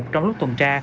trong lúc tuần tra